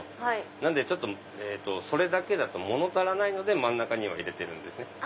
なのでそれだけだと物足りないので真ん中には入れてるんです。